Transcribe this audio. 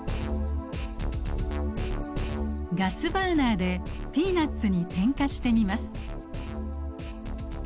ガスバーナーでピーナッツに点火してみます。